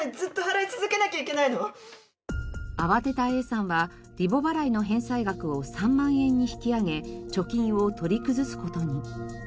慌てたＡさんはリボ払いの返済額を３万円に引き上げ貯金を取り崩す事に。